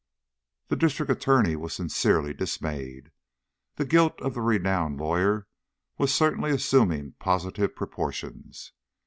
The District Attorney was sincerely dismayed. The guilt of the renowned lawyer was certainly assuming positive proportions.